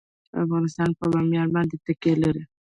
افغانستان په بامیان باندې تکیه لري.